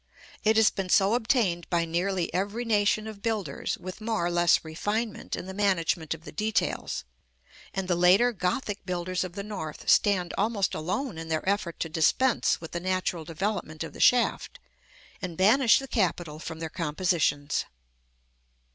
It has been so obtained by nearly every nation of builders, with more or less refinement in the management of the details; and the later Gothic builders of the North stand almost alone in their effort to dispense with the natural development of the shaft, and banish the capital from their compositions.